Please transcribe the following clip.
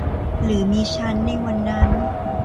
หรือมีฉันในวันนั้น